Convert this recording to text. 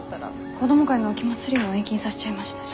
子ども会の秋まつりも延期にさせちゃいましたし。